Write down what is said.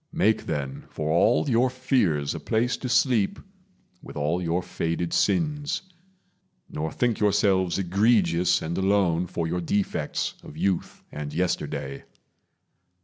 Make, then, for all your fears a place to sleep With all your faded sins; nor think yourselves Egregious and alone for your defects Of youth and yesterday.